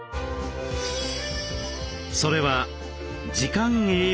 それは「時間栄養学」。